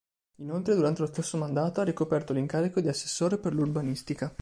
Inoltre, durante lo stesso mandato, ha ricoperto l’incarico di assessore per l’Urbanistica.